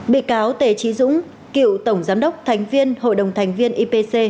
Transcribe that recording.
bị cáo tề trí dũng cựu tổng giám đốc thành viên hội đồng thành viên ipc